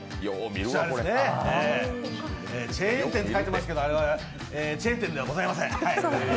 チェーン店と書いていますけれども、チェーン店ではございません。